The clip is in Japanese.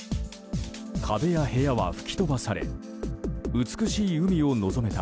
壁や部屋は吹き飛ばされ美しい海を望めた